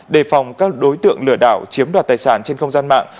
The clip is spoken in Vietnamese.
đề phòng các đối tượng lừa đảo chiếm đoạt tài sản trên không gian mạng